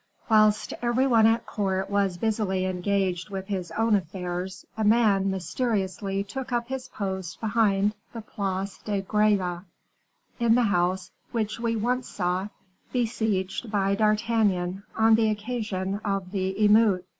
Whilst every one at court was busily engaged with his own affairs, a man mysteriously took up his post behind the Place de Greve, in the house which we once saw besieged by D'Artagnan on the occasion of the emeute.